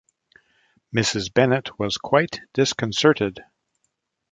Mrs. Bennet was quite disconcerted.